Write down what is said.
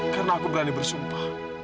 karena aku berani bersumpah